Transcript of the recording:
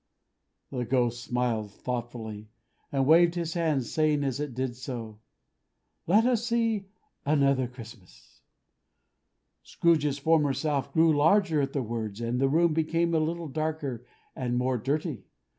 The Ghost smiled thoughtfully, and waved its hand: saying as it did so, "Let us see another Christmas!" Scrooge's former self grew larger at the words, and the room became a little darker and more dirty.